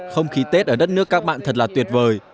không khí tết ở đất nước các bạn thật là tuyệt vời